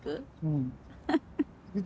うん。